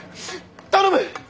頼む！